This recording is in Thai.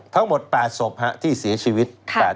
ทั้งหมด๘ศพที่เสียชีวิต